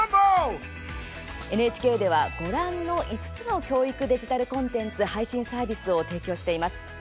ＮＨＫでは、ご覧の５つの教育デジタルコンテンツ配信サービスを提供しています。